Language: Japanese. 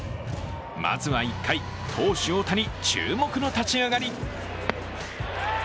まずは、１回、投手・大谷注目の立ち上がり。